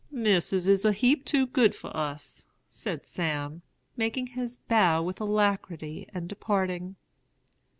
"'Missis is a heap too good for us,' said Sam, making his bow with alacrity and departing.